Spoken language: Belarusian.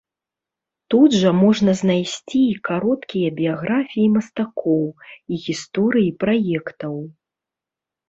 Тут жа можна знайсці і кароткія біяграфіі мастакоў, і гісторыі праектаў.